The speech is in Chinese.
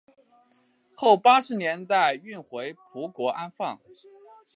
后八十年代运回葡国安放。